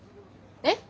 えっ？